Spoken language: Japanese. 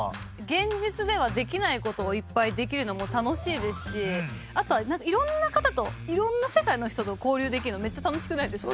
現実ではできない事をいっぱいできるのも楽しいですしあといろんな方といろんな世界の人と交流できるのめっちゃ楽しくないですか？